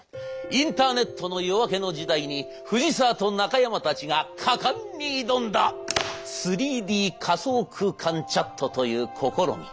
インターネットの夜明けの時代に藤沢と中山たちが果敢に挑んだ３Ｄ仮想空間チャットという試み。